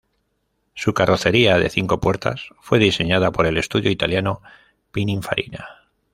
Su carrocería de cinco puertas fue diseñada por el estudio italiano Pininfarina.